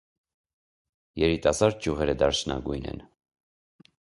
Երիտասարդ ճյուղերը դարչնագույն են։